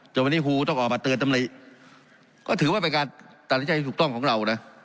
วันนี้ครูต้องออกมาเตือนตำหนิก็ถือว่าเป็นการตัดสินใจที่ถูกต้องของเรานะ